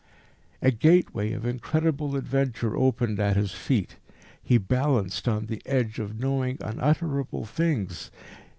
A gateway of incredible adventure opened at his feet. He balanced on the edge of knowing unutterable things.